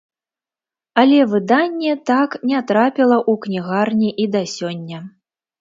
Але выданне так не трапіла ў кнігарні і да сёння.